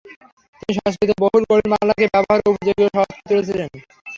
তিনি সংস্কৃত বহুল কঠিন বাংলাকে ব্যবহারের উপযোগী ও সহজ করে তুলেছিলেন।